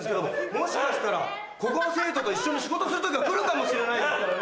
もしかしたらここの生徒と一緒に仕事する時が来るかもしれないですからね。